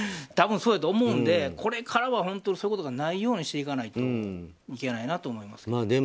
多分そうだと思うのでこれからは本当にそういうことがないようにしていかなきゃいけないと思いますけど。